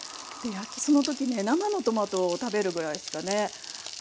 その時ね生のトマトを食べるぐらいしかね。